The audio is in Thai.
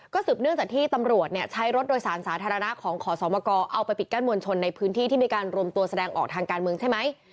สืบเนื่องจากที่ตำรวจใช้รถโดยสารสาธารณะของขอสมกเอาไปปิดกั้นมวลชนในพื้นที่ที่มีการรวมตัวแสดงออกทางการเมืองใช่ไหม